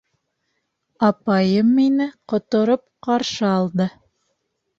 Апайым мине ҡотороп ҡаршы алды: